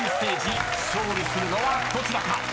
［勝利するのはどちらか⁉］